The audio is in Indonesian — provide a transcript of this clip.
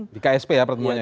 di ksp ya pertemuannya